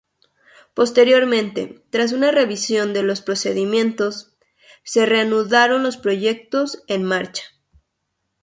Posteriormente, tras una revisión de los procedimientos, se reanudaron los proyectos en marcha.